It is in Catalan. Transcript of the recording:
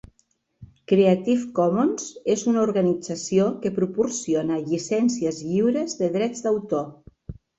Creative Commons és una organització que proporciona llicències lliures de drets d'autor.